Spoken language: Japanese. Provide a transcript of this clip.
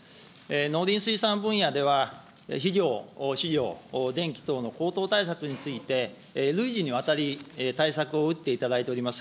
農林水産分野では、肥料、飼料、電気等の高騰対策について、累次にわたり対策を打っていただいております。